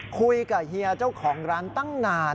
คุยกับเฮียเจ้าของร้านตั้งนาน